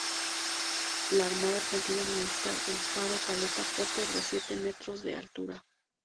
La Armada Argentina administra el Faro Caleta Potter de siete metros de altura.